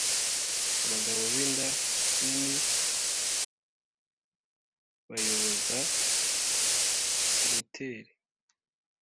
Abagabo b'inda nini bayoboza Leteri.